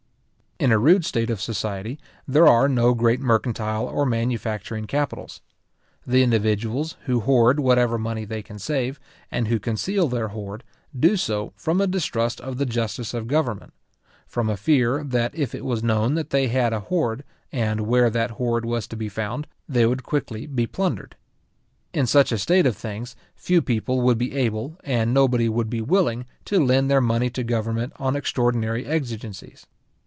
In a rude state of society, there are no great mercantile or manufacturing capitals. The individuals, who hoard whatever money they can save, and who conceal their hoard, do so from a distrust of the justice of government; from a fear, that if it was known that they had a hoard, and where that hoard was to be found, they would quickly be plundered. In such a state of things, few people would be able, and nobody would be willing to lend their money to government on extraordinary exigencies.